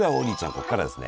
ここからですね